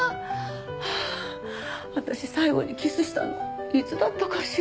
はあ私最後にキスしたのいつだったかしら？